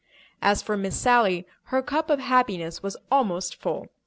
As for Miss Sally, her cup of happiness was almost full.